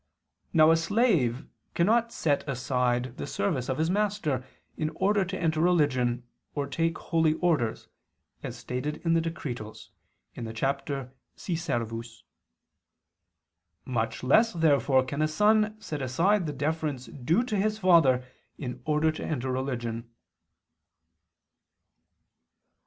Now a slave cannot set aside the service of his master in order to enter religion or take holy orders, as stated in the Decretals (Dist. LIV, cap. Si servus). Much less therefore can a son set aside the deference due to his father in order to enter religion.